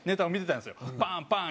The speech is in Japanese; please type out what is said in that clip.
「パンパン！